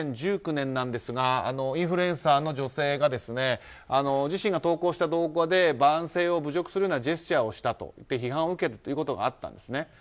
２０１９年なんですがインフルエンサーの女性が自身が投稿した動画で男性を侮辱するようなジェスチャーをしたと批判を受けたということがあったんです。